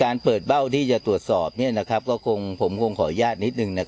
การเปิดเบ้าที่จะตรวจสอบเดี๋ยวผมคงขออย่างนิดหนึ่ง